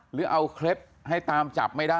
หรือเอาเคล็ดให้ตามจับไม่ได้